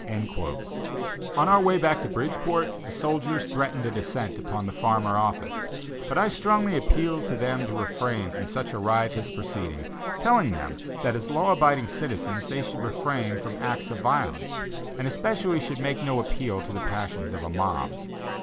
On our way back to Bridgeport, the soldiers threatened a descent upon the Farmer office, but I strongly appealed to them to refrain from such a riotous proceeding, telling them that as law abiding citizens they should refrain from acts of violence and especially should make no appeal to the passions of a mob.